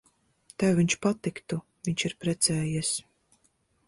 Tev viņš patiktu. Viņš ir precējies.